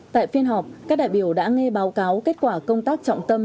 tại phiên họp các đại biểu đã nghe báo cáo kết quả công tác trọng tâm